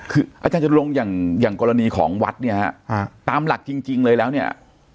คืออาจารย์จะลงอย่างกรณีของวัดเนี่ยฮะตามหลักจริงเลยแล้วเนี่ย